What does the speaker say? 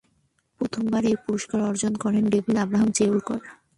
প্রথমবার এই পুরস্কার অর্জন করেন ডেভিড আব্রাহাম চেউলকর।